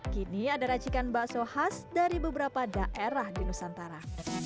kini ada racikan bakso khas dari beberapa daerah di nusantara